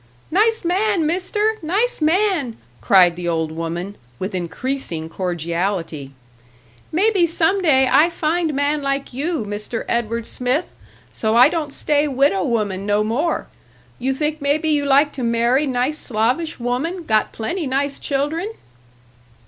"Nice man, Mister! Nice man!" cried the old woman, with increasing cordiality. "Maybe some day I find man like you, Mr. Edward Smith so I don't stay widow woman no more. You think maybe you like to marry nice Slavish woman, got plenty nice children?"